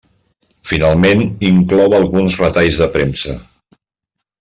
Finalment, inclou alguns retalls de premsa.